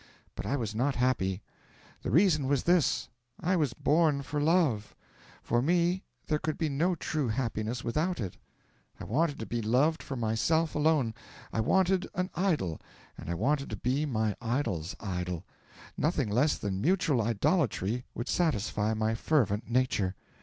But I was not happy. The reason was this: I was born for love: for me there could be no true happiness without it. I wanted to be loved for myself alone. I wanted an idol, and I wanted to be my idol's idol; nothing less than mutual idolatry would satisfy my fervent nature.